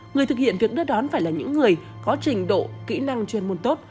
người thực hiện việc đưa đón phải là những người có trình độ kỹ năng chuyên môn tốt